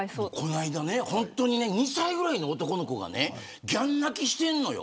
この間ね、２歳ぐらいの男の子がぎゃん泣きしてるのよ。